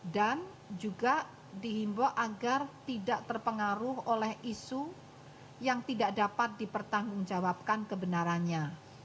dan juga dihimbau agar tidak terpengaruh oleh isu yang tidak dapat dipertanggungjawabkan kebenarannya